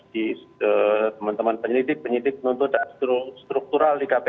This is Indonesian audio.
di teman teman penyelidik penyidik penuntut struktural di kpk